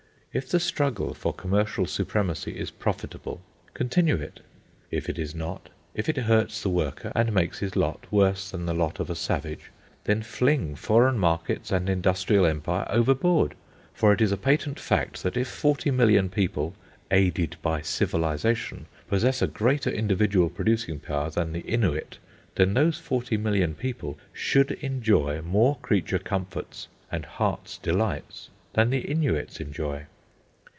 If the struggle for commercial supremacy is profitable, continue it. If it is not, if it hurts the worker and makes his lot worse than the lot of a savage, then fling foreign markets and industrial empire overboard. For it is a patent fact that if 40,000,000 people, aided by Civilisation, possess a greater individual producing power than the Innuit, then those 40,000,000 people should enjoy more creature comforts and heart's delights than the Innuits enjoy.